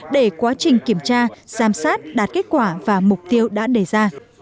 để quá trình kiểm tra giám sát đạt kết quả và mục tiêu đã đề ra